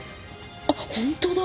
あっ本当だ。